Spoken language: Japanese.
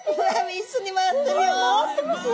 一緒に回ってるよ！